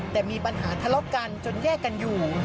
แต่มีปัญหาทะเลาะกันจนแยกกันอยู่